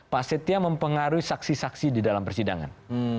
pak setia mempengaruhi saksi saksi di dalam persidangan